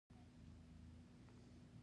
آیا اسلامي اصول مراعات کیږي؟